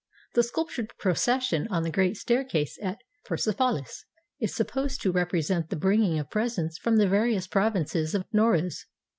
The sculptured procession on the great staircase at Persepolis is supposed to repre sent the bringing of presents from the various provinces at Noruz.